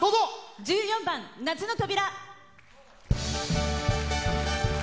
１４番「夏の扉」。